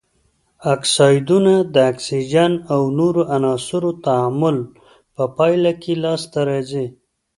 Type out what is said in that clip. اکسایدونه د اکسیجن او نورو عناصرو تعامل په پایله کې لاس ته راځي.